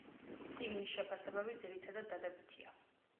წიგნის შეფასებები ძირითადად დადებითია.